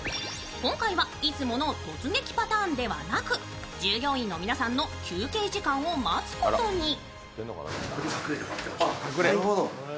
今回はいつもの突撃パターンではなく、従業員の皆さんの休憩時間を待つことに。